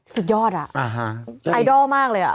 ซิกแพลก